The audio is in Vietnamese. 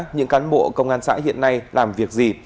những cán bộ công an xã hiện nay làm việc gì